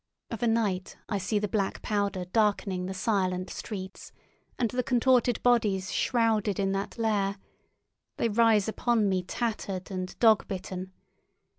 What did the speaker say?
Of a night I see the black powder darkening the silent streets, and the contorted bodies shrouded in that layer; they rise upon me tattered and dog bitten.